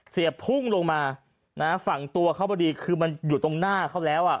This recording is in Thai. เสียพุ่งลงมาฝั่งตัวเขาพอดีคือมันอยู่ตรงหน้าเขาแล้วอ่ะ